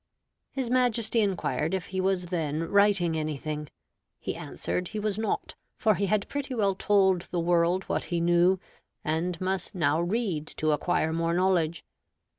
His Majesty inquired if he was then writing anything. He answered he was not, for he had pretty well told the world what he knew, and must now read to acquire more knowledge.